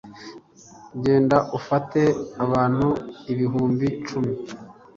genda ufate abantu ibihumbi cumi